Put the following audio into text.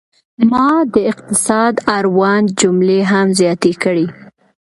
ما د اقتصاد اړوند جملې هم زیاتې کړې.